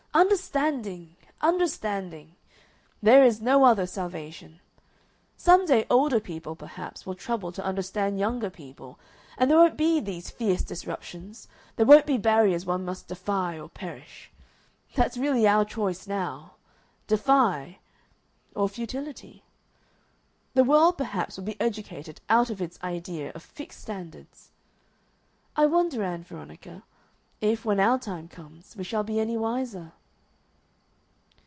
Understanding! Understanding! There is no other salvation. Some day older people, perhaps, will trouble to understand younger people, and there won't be these fierce disruptions; there won't be barriers one must defy or perish.... That's really our choice now, defy or futility.... The world, perhaps, will be educated out of its idea of fixed standards.... I wonder, Ann Veronica, if, when our time comes, we shall be any wiser?"